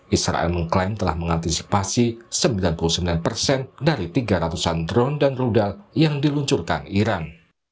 israel mengklaim telah mengantisipasi sembilan puluh sembilan persen dari tiga ratus an drone dan rudal yang diluncurkan iran